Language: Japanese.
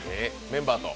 メンバーと？